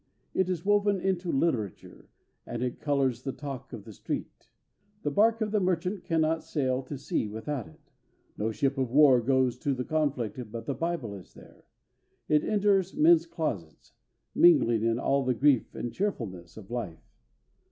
It is woven into literature, and it colors the talk of the street. The bark of the merchant can not sail to sea without it. No ship of war goes to the conflict but the Bible is there. It enters men's closets, mingling in all the grief and cheerfulness of life.